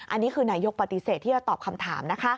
อันนี้คือนายกปฏิเสธที่จะตอบคำถามนะคะ